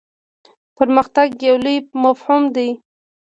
پرمختګ یو لوی مفهوم دی.